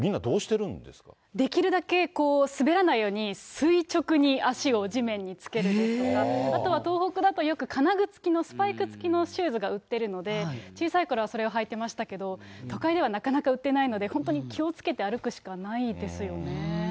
できるだけ滑らないように垂直に足を地面につけるですとか、あとは東北だとよく金具付きの、スパイク付きのシューズが売ってるので、小さいころはそれを履いてましたけれども、都会ではなかなか売っていないので、本当に気をつけて歩くしかないですよね。